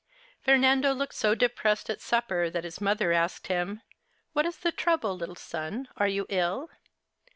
Fernando looked so depressed at supper that his mother asked him :" What is the trouble, little son, are you ill